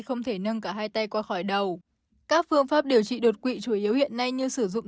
không thể nâng cả hai tay qua khỏi đầu các phương pháp điều trị đột quỵ chủ yếu hiện nay như sử dụng